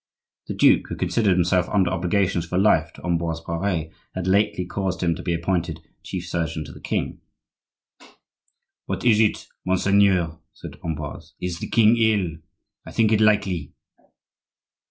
The duke, who considered himself under obligations for life to Ambroise Pare, had lately caused him to be appointed chief surgeon to the king. "What is it, monseigneur?" said Ambroise. "Is the king ill? I think it likely."